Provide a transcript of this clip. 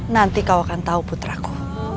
nanti kau akan tahu putraku